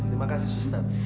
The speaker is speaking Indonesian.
terima kasih suster